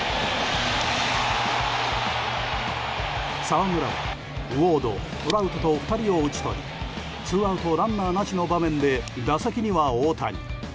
澤村はウォード、トラウトと２人を打ち取りツーアウトランナーなしの場面で打席には大谷。